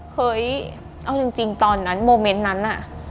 เฮ้ยเอาจริงตอนนั้นโมเมนต์นั้นน่ะ